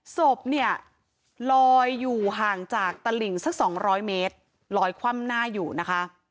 ศพเนี่ยลอยอยู่ห่างจากตลิ่งสัก๒๐๐เมตรลอยคว่ำหน้าอยู่นะคะ